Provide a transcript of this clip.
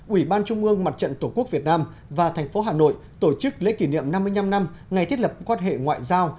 ủy ban trung ương mặt trận tổ quốc việt nam và thành phố hà nội tổ chức lễ kỷ niệm năm mươi năm năm ngày thiết lập quan hệ ngoại giao